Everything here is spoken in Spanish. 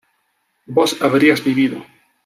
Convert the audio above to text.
vos habrías vivido